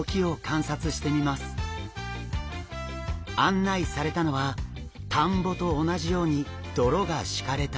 案内されたのは田んぼと同じように泥が敷かれた水槽。